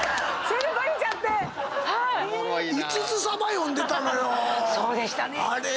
そうでしたね。